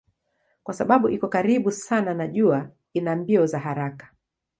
Kwa sababu iko karibu sana na jua ina mbio za haraka.